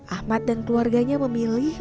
ahmad dan keluarganya memilih